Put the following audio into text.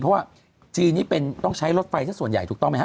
เพราะว่าจีนนี้เป็นต้องใช้รถไฟสักส่วนใหญ่ถูกต้องไหมฮ